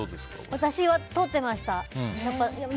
私は撮っていました。